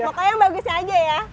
pokoknya yang bagusnya aja ya